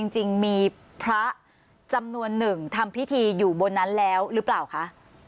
จริงมีพระจำนวนหนึ่งทำพิธีอยู่บนนั้นแล้วหรือเปล่าคะ